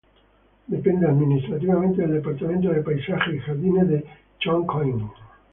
Depende administrativamente del Departamento de paisajes y jardines de Chongqing.